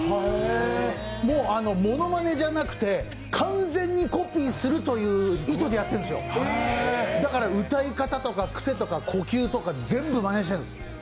もうモノマネじゃなくて完全にコピーするという意図でやってるんですよるだから歌い方とか、癖とか呼吸とか全部まねしてるんです。